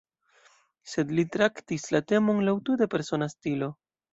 Sed li traktis la temon laŭ tute persona stilo.